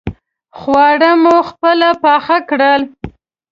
خواړه مو خپله پاخه کړل.